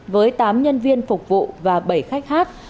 với tám nhân viên phục vụ và bảy khách hát